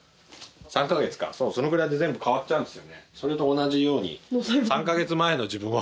３か月かそうそのぐらいで全部変わっちゃうんですよね